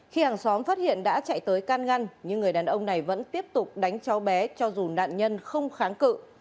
khi hàng xóm phát hiện đã chạy tới can ngăn nhưng người đàn ông này vẫn tiếp tục đánh cháu bé cho dù nạn nhân không kháng cự